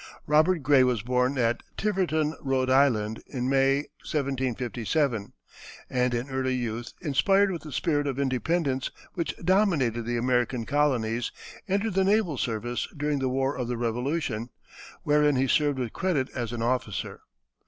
Robert Gray was born at Tiverton, R. I., in May, 1757, and in early youth, inspired with the spirit of independence which dominated the American Colonies, entered the naval service during the war of the Revolution, wherein he served with credit as an officer.